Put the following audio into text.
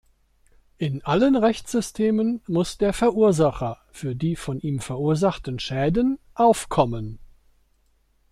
In allen Rechtssystemen muss der Verursacher für die von ihm verursachten Schäden aufkommen!